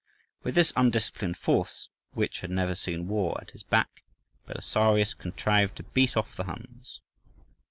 With this undisciplined force, which had never seen war, at his back, Belisarius contrived to beat off the Huns.